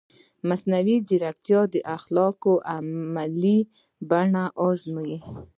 مصنوعي ځیرکتیا د اخلاقو عملي بڼه ازموي.